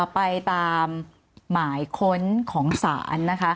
ไปตามหมายค้นของศาล